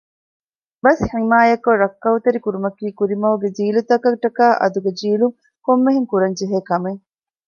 ބަސް ޙިމާޔަތްކޮށް ރައްކައުތެރިކުރުމަކީ ކުރިމަގުގެ ޖީލުތަކަށް ޓަކައި އަދުގެ ޖީލުން ކޮންމެހެން ކުރާން ޖެހޭ ކަމެއް